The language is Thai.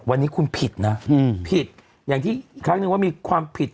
วันนี้คุณผิดนะผิดอย่างที่ครั้งนึงว่ามีความผิด